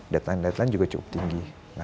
deadline deadline juga cukup tinggi